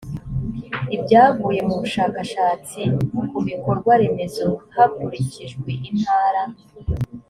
ibyavuye mu bushakashatsi ku bikorwa remezo hakurikijwe intara